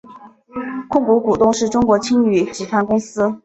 控股股东是中国青旅集团公司。